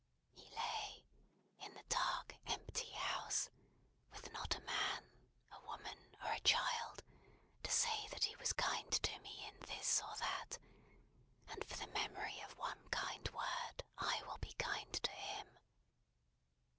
He lay, in the dark empty house, with not a man, a woman, or a child, to say that he was kind to me in this or that, and for the memory of one kind word I will be kind to him.